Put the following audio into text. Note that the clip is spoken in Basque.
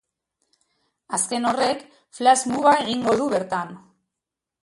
Azken horrek, flash movie-a egingo du bertan.